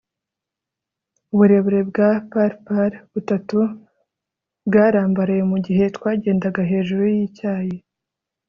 uburebure bwa par par butatu bwarambaraye, mugihe twagendaga hejuru yicyayi